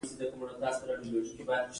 دوی به ځنګلونو ته تښتېدل او هلته به اوسېدل.